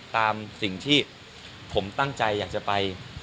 ตามสิ่งที่ผมตั้งใจอยากจะไป